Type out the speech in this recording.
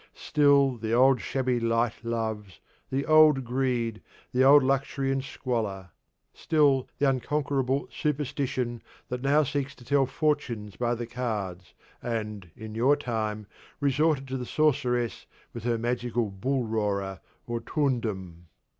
Still the old shabby light loves, the old greed, the old luxury and squalor. Still the unconquerable superstition that now seeks to tell fortunes by the cards, and, in your time, resorted to the sorceress with her magical 'bull roarer' or 'turndun.'